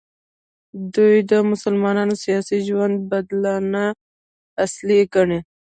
دوی د مسلمانانو سیاسي ژوند بدلانه اصل ګڼي.